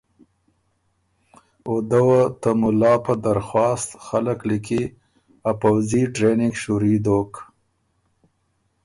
او دۀ وه ته مُلا په درخواست خلق لیکی ا پؤځي ټرېننګ شُوري دوک۔